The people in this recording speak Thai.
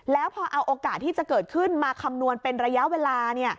แล้วพอเอาโอกาสที่จะเกิดขึ้นมาคำนวณเป็นระยะเวลา